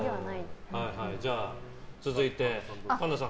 じゃあ、続いて神田さん。